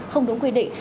không đúng quy định